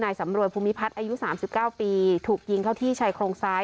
สำรวยภูมิพัฒน์อายุ๓๙ปีถูกยิงเข้าที่ชายโครงซ้าย